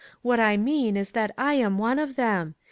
What I mean is that I am one of them.